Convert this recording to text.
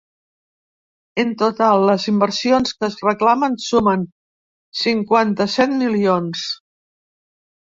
En total, les inversions que es reclamen sumen cinquanta-set milions.